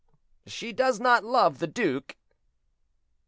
"She does not love the duke."